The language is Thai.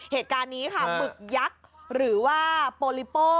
เหตุการณ์นี้ค่ะหมึกยักษ์หรือว่าโปลิโป้